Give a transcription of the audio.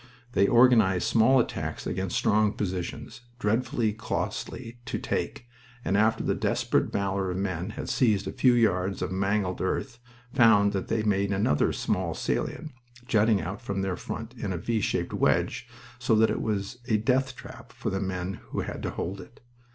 They organized small attacks against strong positions, dreadfully costly to take, and after the desperate valor of men had seized a few yards of mangled earth, found that they had made another small salient, jutting out from their front in a V shaped wedge, so that it was a death trap for the men who had to hold it.